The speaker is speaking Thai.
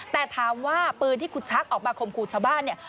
แต่ถามว่าปืนที่คุณชักออกมาข่มขู่ชาวบ้านเนี่ย